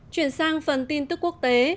chuyển sang phần tin tức quốc tế